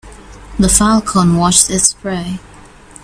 The falcon watched its prey.